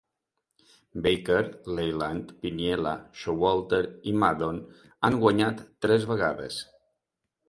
Baker, Leyland, Piniella, Showalter i Maddon han guanyat tres vegades.